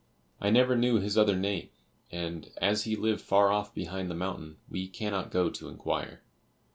I never knew his other name, and as he lived far off behind the mountain, we cannot go to inquire.